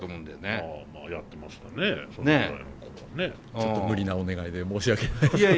ちょっと無理なお願いで申し訳ないですけど。